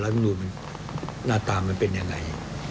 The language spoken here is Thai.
รัฐบาลหนูหน้าตามันเป็นยังไง